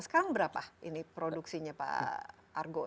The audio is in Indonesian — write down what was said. sekarang berapa ini produksinya pak argo